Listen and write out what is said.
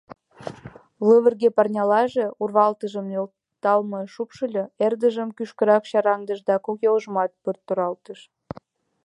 Лывырге парнялаже урвалтыжым нӧлталмыла шупшыльо, эрдыжым кӱшкырак чараҥдыш да кок йолжымат пырт торалтыш.